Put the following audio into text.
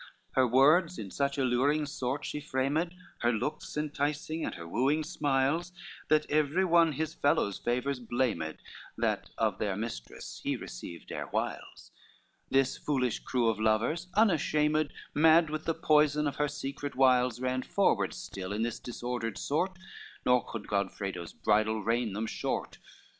LXXI Her words in such alluring sort she framed, Her looks enticing, and her wooing smiles, That every one his fellows' favors blamed, That of their mistress he received erewhiles: This foolish crew of lovers unashamed, Mad with the poison of her secret wiles, Ran forward still, in this disordered sort, Nor could Godfredo's bridle rein them short.